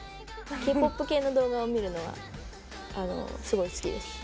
ＫーＰＯＰ系の動画を見るのがすごい好きです。